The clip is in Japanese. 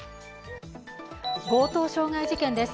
強盗傷害事件です。